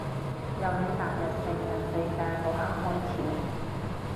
由你踏入成人世界嗰刻開始